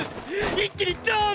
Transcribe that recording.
一気にドン！！